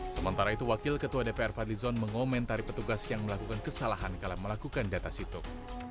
sementara itu wakil ketua dpr fadlizon mengomentari petugas yang melakukan kesalahan kalau melakukan data situk